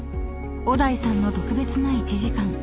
［小田井さんの特別な１時間］